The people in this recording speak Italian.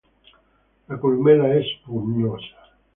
La columella è spugnosa.